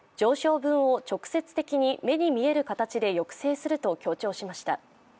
直接的に目に見える形で抑制すると強調しました。